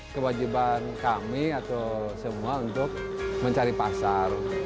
kewajiban kami atau semua untuk mencari pasar